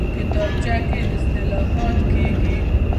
کتابچه کې اصلاحات کېږي